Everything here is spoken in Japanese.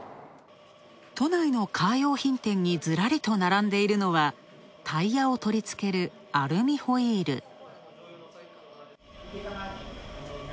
都内のカー用品店にずらりと並んでいるのはタイヤを取り付けるアルミホイール。